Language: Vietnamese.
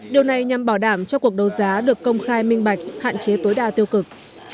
điều này nhằm bảo đảm cho cuộc đấu giá được công khai minh bạch hạn chế tối đa tiêu cực